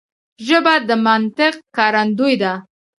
ژبه د منطق ښکارندوی ده